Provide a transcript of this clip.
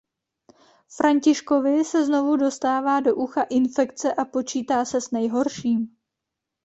Františkovi se znovu dostává do ucha infekce a počítá se s nejhorším.